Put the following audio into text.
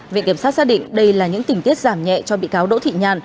viện kiểm sát xác định đây là những tình tiết giảm nhẹ cho bị cáo đỗ thị nhàn